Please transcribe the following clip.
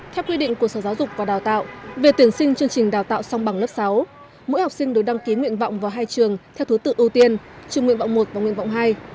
theo quy định của sở giáo dục và đào tạo về tuyển sinh chương trình đào tạo song bằng lớp sáu mỗi học sinh đều đăng ký nguyện vọng vào hai trường theo thứ tự ưu tiên trường nguyện vọng một và nguyện vọng hai